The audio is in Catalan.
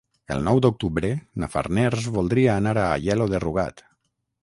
El nou d'octubre na Farners voldria anar a Aielo de Rugat.